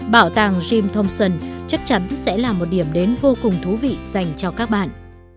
bảo tàng jim thompson chắc chắn sẽ là một điểm đến vô cùng thú vị dành cho các bạn